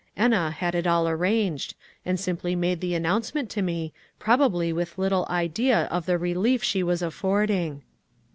Enna had it all arranged, and simply made the announcement to me, probably with little idea of the relief she was affording."